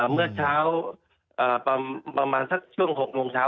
เมื่อเช้าประมาณสักช่วง๖โมงเช้า